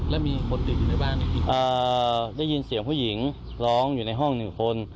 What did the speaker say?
แล้วมีคนติดอยู่ในบ้านได้ยินเสียงผู้หญิงร้องอยู่ในห้องหนึ่งคน